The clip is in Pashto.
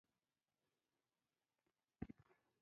هغه د سلګونه ميليونه ډالرو څښتن شو.